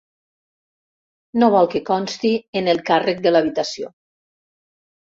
No vol que consti en el càrrec de l'habitació.